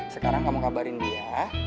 sekarang kamu kabarin dia